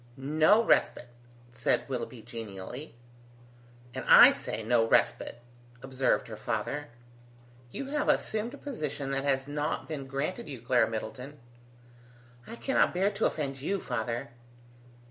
"No respite!" said Willoughby, genially. "And I say, no respite!" observed her father. "You have assumed a position that has not been granted you, Clara Middleton." "I cannot bear to offend you, father."